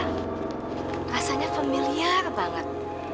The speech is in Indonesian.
rasanya familiar banget